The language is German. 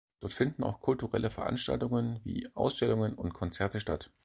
Dort finden kulturelle Veranstaltungen, wie Ausstellungen und Konzerte statt.